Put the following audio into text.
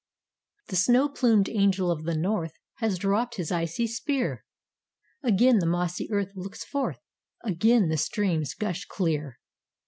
The snow plumed angel of the north Has dropped his icy spear; Again the mossy earth looks forth, Again the streams gush clear.